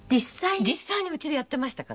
実際にうちでやってましたからね。